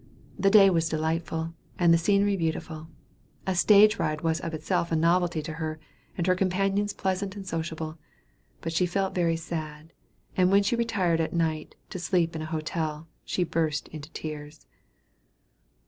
The day was delightful, and the scenery beautiful; a stage ride was of itself a novelty to her, and her companions pleasant and sociable; but she felt very sad, and when she retired at night to sleep in a hotel, she burst into tears.